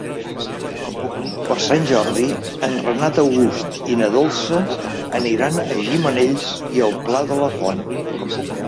Per Sant Jordi en Renat August i na Dolça aniran a Gimenells i el Pla de la Font.